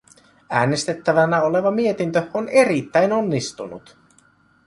Äänestettävänä oleva mietintö on erittäin onnistunut.